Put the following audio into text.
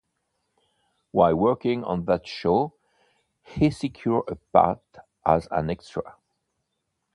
While working on that show, he secured a part as an extra.